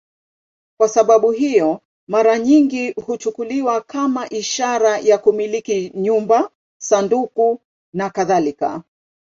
Kwa sababu hiyo, mara nyingi huchukuliwa kama ishara ya kumiliki nyumba, sanduku nakadhalika.